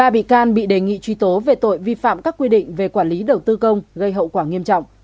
ba bị can bị đề nghị truy tố về tội vi phạm các quy định về quản lý đầu tư công gây hậu quả nghiêm trọng